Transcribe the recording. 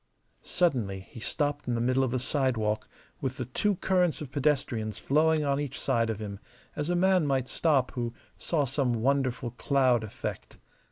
Suddenly he stopped in the middle of the sidewalk with the two currents of pedestrians flowing on each side of him, as a man might stop who saw some wonderful cloud effect.